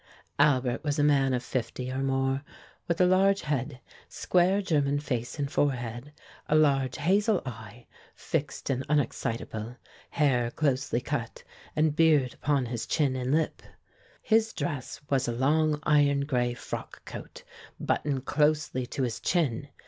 Albert was a man of fifty or more, with a large head, square German face and forehead, a large hazel eye, fixed and unexcitable, hair closely cut, and beard upon his chin and lip. His dress was a long iron gray frock coat, buttoned closely to his chin.